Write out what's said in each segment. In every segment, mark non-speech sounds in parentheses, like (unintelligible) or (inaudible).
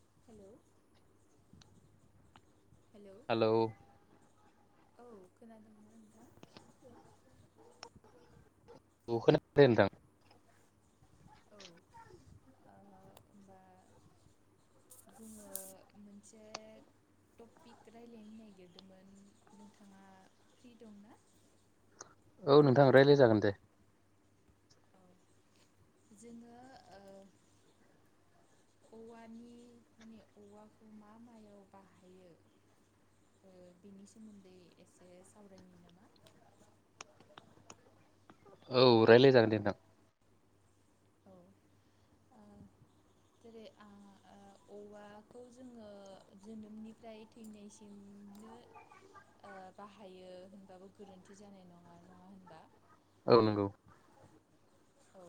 हेल' hello औ खोनादोंना नोंथां? औ खोनादों दे नोंथां। औ ओ होमबा जोङो मोनसे टपिक रायलायनो नागिरदोंमोन नोंथाङा फ्रि दंना? औ नोंथां रायज्लाय जागोन दे। औ जोङो ओ औवानि माने औवाखौ मा मायाव बाहायो ओ बेनि सोमोन्दै एसे सावरायनि नामा? औ रायलाय जागोन दे नोंथां। औ ओ जेरै आ ओ औवाखौ जोङो जोनोमनिफ्राय थैनायसिमनो ओ बाहायो होनबाबो गोरोन्थि जानाय नङा। नङा होनबा? औ नंगौ। औ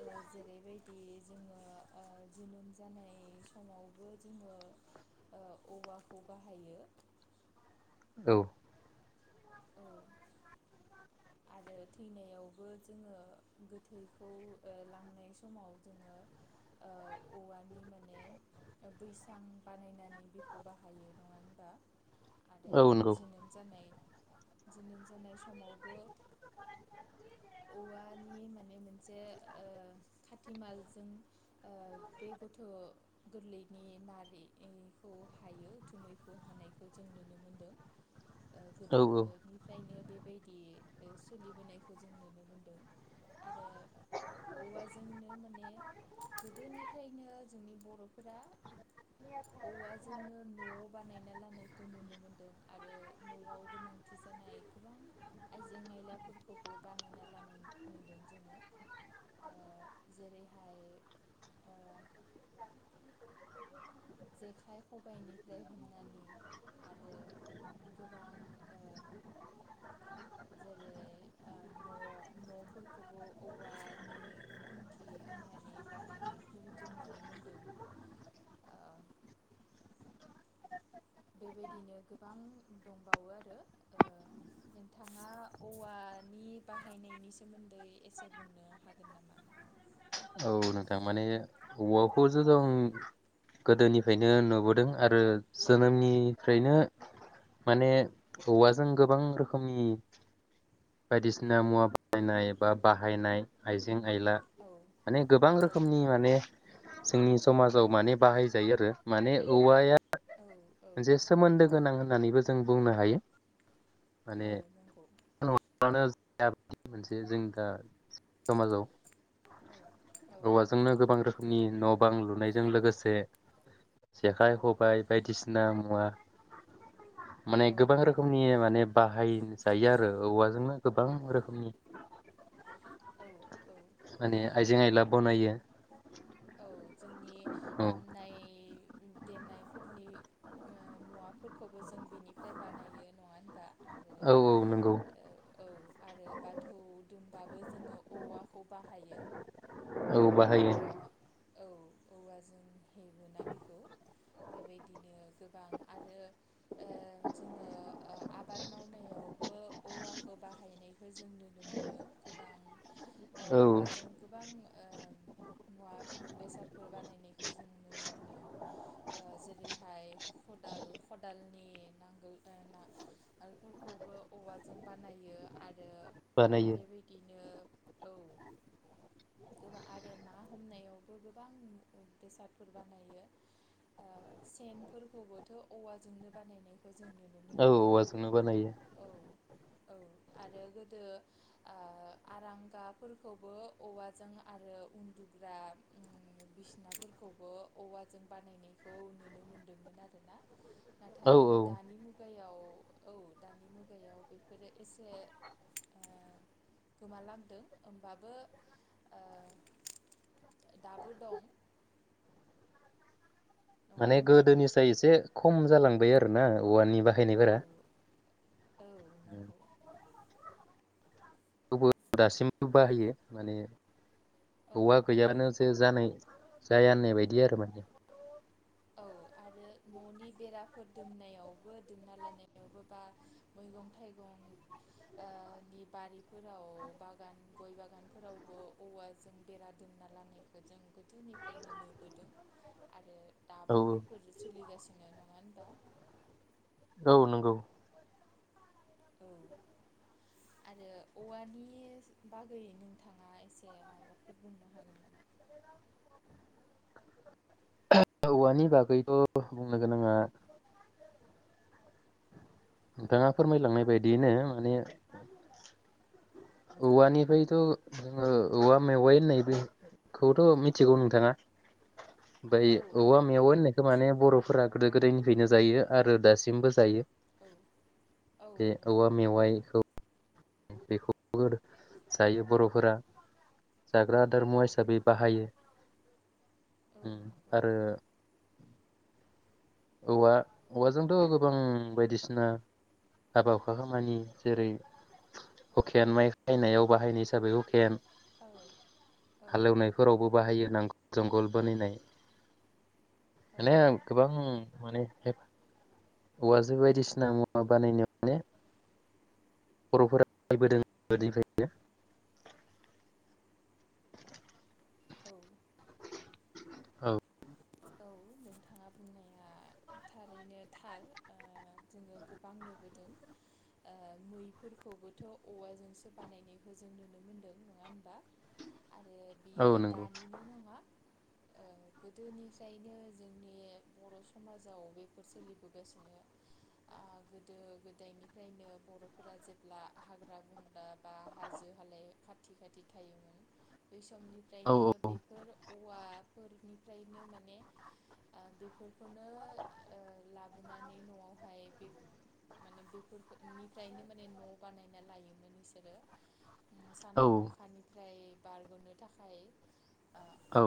ओ जेरैबायदि जोङो ओ जोनोम जानाय समावबो जोङो ओ औवाखौ बाहायो। औ औ आरो थैनायावबो जोङो गोथैखौ ओ लांनाय समाव जोङो ओ औवानि माने बैसां बानायनानै बेखौ बाहायो नङा होनबा आरो औ नंगौ जोनोम जानाय जोनोम जानाय समावबो औवानि माने मोनसे ओ खाथिमालजों ओ बे गथ' गोरलैनि नारिखौ हायो उथुमैखौ हानायखौ जों नुनो मोनदों। ओ औ गोदोनिफ्रायनो बेबायदि ओ सोलिबोनायखौ जों नुनो मोनदों आरो औवाजोंनो माने गोदोनिफ्रायनो जोंनि बर'फोरा औवाजोंनो न' बानायना लानायखौ नुनो मोनदों आरो न'आव गोनांथि जानाय गोबां आइजें आयलाफोरखौबो बानायना लानाय नुदों जोङो ओ जेरैहाय ओ (unintelligible) जेखाइ खबाइनिफ्राय हमनानै आरो गोबां ओ जेरै ओ न' न'फोरखौबो औवानि खुन्थि होनानै बानायनायखौ जों नुनो मोनदों। बेबायदिनो गोबां दंबावो आरो ओ नोंथाङा औवानि बाहायनायनि सोमोन्दै एसे बुंनो हागोन नामा? औ नोंथां माने औवाखौ जो जों गोदोनिफ्रायनो नुबोदों आरो जोनोमनिफ्रायनो माने औवाजों गोबां रोखोमनि बायदिसिना मुवा (inaudible) बाहायनाय बा बाहायनाय आइजें आइला औ माने गोबां औ रोखोमनि माने जोंनि समाजाव माने बाहायजायो आरो माने औवाया औ औ मोनसे सोमोन्दो गोनां होननानैबो जो जों बुंनो हायो। औ माने नंगौ (inaudible) (unintelligible) मोनसे जों दा समाजाव औ औ औवाजोंनो गोबां रोखोमनि न' बां लु नायजों लोगोसे जेखाइ खबाइ बायदिसिना मुवा माने औ गोबां रोखोमनि माने बाहाय जायो आरो औवाजोंनो गोबां रोखोमनि। औ औ। माने आइजें आयला बनायो। औ जोंनि औ दामनाय देनायफोरनि ओ मुवाफोरखौबो जों बेनिफ्राय बानायो। नङा होनबा? आरो औ औ नंगौ ओ औ आरो बाथौ दुमबाबो जोङो औवाखौ बाहायो औ बाहायो औवा औ औवा जों हेबोना बेखौ बेबायदिनो। गोबां आरो ओ जोङो ओ आबाद मावनायावबो औवाखौ बाहायनायखो जों नुनो मोनो गोबां। ओ औ औवाजों गोबां ओ मुवा बेसादफोर बानायनायखो जों नुनो मोनो। ओ जेरैहाय खदाल खदालनि नांगोल ओ नां गोलफोरखौबो औवाजों बानायो आ रो बानायो बेबायदिनो औ गोबां आरो ना हमनायाव बो गोबां बेसादफोर बानायो ओ सेनफोरखौबोथ' औवाजोंनो बानायनायखौ जों नुनो मोनो औ औवाजोंनो बानायो। औ औ आरो गोदो ओ आरांगाफोरखौबो औवाजों आरो उन्दुग्रा बिसनाफोरखौबो औवाजों बानायनायखौ नुनो मोनदोंमोन आरोना। औ नाथाय औ दानि मुगायाव औ दानि मुगायाव बेफोरो एसे ओ गोमालांदों ओमबाबो ओ दाबो दं। नङा माने होनबा गोदोनिसाय एसे खम जालांबाय आरो ना औवानि औ बाहायनायफोरा औ थेवबो नंगौ। खौबो दासिमबो बाहायो माने औ औवा गैयाबानो बाहायो जे जानाय जाया होननाय बायदि आरो माने। औ आरो न'नि बेराफोर दुमनायावबो दोमना लानायावबो बा मैगं थाइगं ओ नि बारिफोराव बागान गय बागानफोरावबो औवाजों बेरा दुमना लानायखो जों गोदोनिफ्रायनो नुबोदों आरो औ दाबो बेफोरो सोलिगासिनो नङा होनबा। औ नंगौ। औ आरो औवानि बागै नोंथाङा एसे माबाफोर बुंनो हागोन नामा? औवानि बागैबो बुंनो गोनाङा नोंथाङा फोरमायलांनाय बायदियैनो माने औ औवानिफ्रायथ' जोङो औवा मेवाइ होननाय बेखौथ' मिथिगौ नोंथाङा। ओमफ्राय औ औ औवा मेवाइ नंगौ होननायखौ माने मिथियो बर'फोरा गोदो गोदायनिफ्रायनो जायो आरो दासिमबो जायो। औ औ बे औवा नंगौ मेवाइखौ बेखौबो जायो बर'फोरा जाग्रा आदार मुवा औ हिसाबै बाहायो। औ उम नंगौ आरो औवा औवाजोंथ' गोबां बायदिसिना हाबा हुखा खामानि जेरै हुखेन माइ औ खायनायाव बाहायनाय हिसाबै हुखेन औ हालेवनायफोरावबो बाहायो नां जंगल बानायनाय औ (unintelligible) नंगौ गोबां (unintelligible) औवाजों बायदिसिना मुवा बानायनो माने बर'फोरा (unintelligible) गोदोनिफ्रायनो। औ औ औ नोंथाङा बुंनाया थारैनो थार ओ जोङो गोबां नुबोदों ओ मैफोरखौबोथ' औवाजोंसो बानायनायखौ जों नुनो मोनदों नङा होनबा आरो औ बियो नंगौ दानिनो नङा ओ गोदोनि बेखायनो जोंनि बर' समाजाव बेफोर सोलिबोगासिनो आ गोदो गोदायनिफ्रायनो बर'फोरा जेब्ला हाग्रा बंग्रा बा हाजो हालाय खा खाथि खाथि थायोमोन बै औ समनिफ्रायनो बेफोर औवाफोरनिफ्रायनो माने माने ओ बेफोरखौनो लाबोनानै ओ न'आवहाय माने बेनिफ्रायनो माने न' बानायना लायोमोन बिसोरो औ सान्दुं अखानि ओमफ्राय बारग'नो थाखाय औ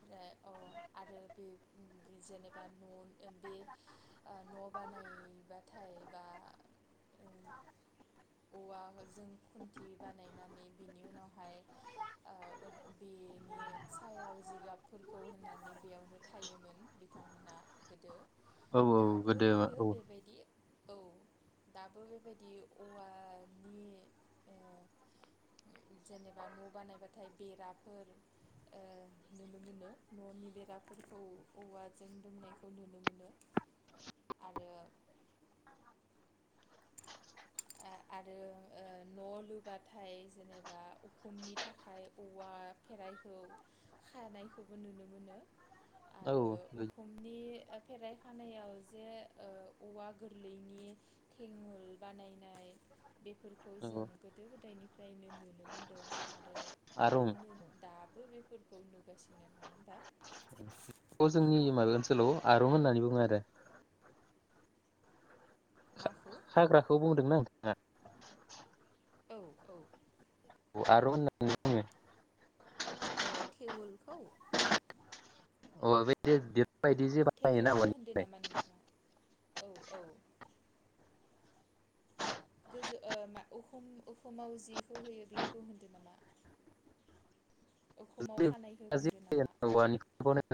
ओमफ्राय अ आरो बे जेनेबा न' बे न' बानायबाथाय ओं औवाजों खुन्थि बानायनानै बिनि उनावहाय ओ बिनि सायाव जिगाब खौ होननानै बेयावनो थायोमोन बिथांमोनहा गोदो औ दाबो गोदो औ होयो बेबायदि औ दाबो बेबायदि औवानि जेनेबा न' बानायबाथाय बेराफोर ओ नुनो मोनो न'नि बेराफोरखौ औवाजों दुमनायखौ नुनो मोनो आरो आरो न' लुबाथाय जेनेबा उखुमनि थाखाय औवा फेराइखौ खानायखौबो नुनो मोनो औ आरो उखुमनि फेराइ खानायाव जे औवा गोरलैनि थेवल बानायनाय बेफोरखौ जों नंगौ गोदो गोदायनि फ्रायनो नुनो मोन्दों आरो आरं दाबोनो दाबो बे फोरखौ नुगासिनो ना दा बे जोंनि माबा ओनसोलाव आरुं होननानै बुङो आरो मा हाग्राखौ बुंदोंना नोंथाङा? औ औ आरुं होननानै बुङो औ थेवलखौ अब (unintelligible) थेवलखौ होनदो नामा नोंथाङा औ औ गोजौ ओ मा उखुम उखुमाव जिखौ होयो बेखौ होनदों नामा उखुमाव खानायखौ बुंदो औवानिफ्राय नामा? बानायनाय खोनादों।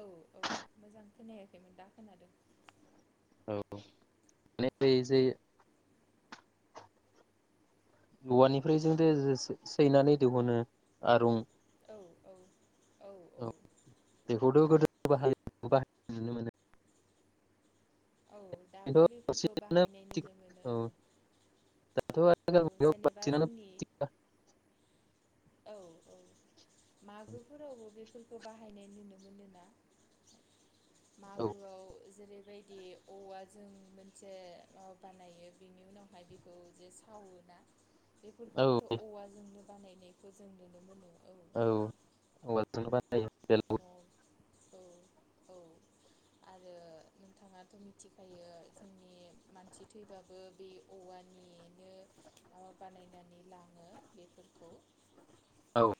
औ औ मोजां खोनायाखैमोन दां खोनादों बे जे औवानिफ्राय जों दे सैनानै दिहुनो आरुं औ औ बेखौथ' गोदो (unintelligible) नुनो मोनो औ दाबो खिन्थु बेफोरखौ बांसिनानो बाहायनाय नुनो मोनो औ औ दाथ' औ आथिखाल मुगायाव जेनेबा बांसिनानो जोंनि औ औ मागोफोरावबो बेफोरखौ बाहायनाय नुनो मोनो ना औ मागोआव जेरैबायदि औवा जों मोनसे माबा बानायो बेनि उनावहाय बेखौ जे सावो ना औ बेफोरखौबोथ' औवाजोंनो बानायनायखौ जों नुनो मोनो औ औवाजोंनो बानायो मब औ औ आरो नोंथाङाथ' मिथिखायो जोंनि मानसि थैबाबो बे औवानिनो माबा बानायनानै लाङो बेफोरखौ औ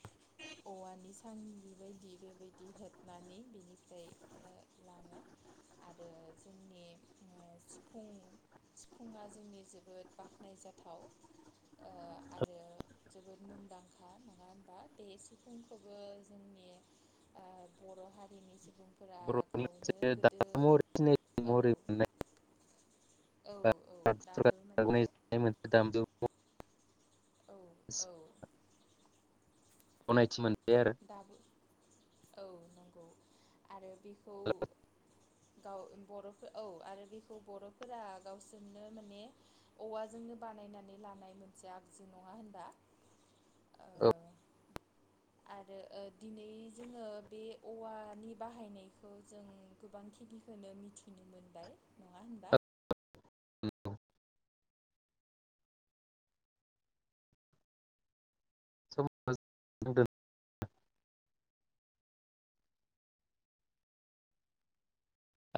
औवानि सांगि बायदि बेबायदि हबनानै बेनिफ्राय लाङो आरो जोंनि सिफुं सिफुंआ जोंनि जोबोद बाखनाय जाथाव आरो जोबोद मुंदांखा नङा होनबा। बे सिफुंखौबो जोंनि ओ बर' हारिनि सुबुंफोरा बर'नि गावनो मोनसे गोदो दामजु महरै सिनायथि औ महरै मोननाय औ बा औ दाबो सरकार माने गनायजानाय मोनसे दामजु औ औ (inaudible) गनायथि मोनो दाबो औ नंगौ आरो बेखौ गाव बर'फोर औ आरो बेखौ बर'फोरा गावसोरनो माने औवाजोंनो बानायनानै लानाय मोनसे आगजु नङा होनबा। ओ आरो ओ दिनै जोङो बे औवानि बाहायनायखौ जों गोबां खिनिखोनो मिथिनो मोनबाय नङा होनबा। (unintelligible) औ